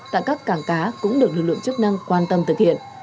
tại các cảng cá cũng được lực lượng chức năng quan tâm thực hiện